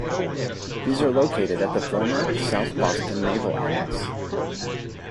These are located at the former South Boston Naval Annex.